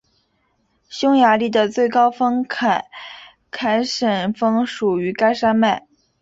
匈牙利的最高峰凯凯什峰属于该山脉。